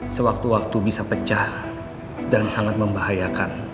sewaktu waktu bisa pecah dan sangat membahayakan